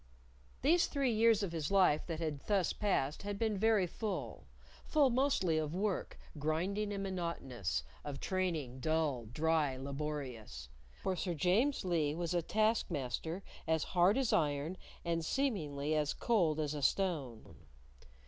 These three years of his life that had thus passed had been very full; full mostly of work, grinding and monotonous; of training dull, dry, laborious. For Sir James Lee was a taskmaster as hard as iron and seemingly as cold as a stone.